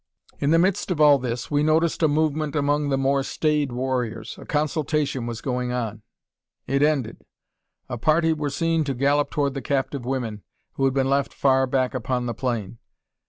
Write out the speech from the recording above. In the midst of all this, we noticed a movement among the more staid warriors. A consultation was going on. It ended. A party were seen to gallop toward the captive women, who had been left far back upon the plain.